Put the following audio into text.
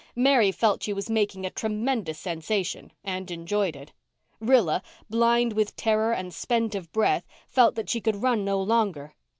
Mary felt she was making a tremendous sensation and enjoyed it. Rilla, blind with terror and spent of breath, felt that she could run no longer.